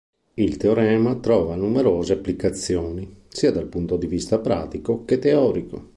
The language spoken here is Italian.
Il teorema trova numerose applicazioni sia dal punto di vista pratico che teorico.